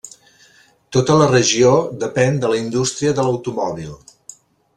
Tota la regió depèn de la indústria de l'automòbil.